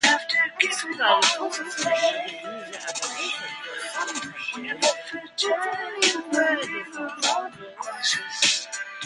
Expedited processing of the visa application for some countries will generally incur additional charges.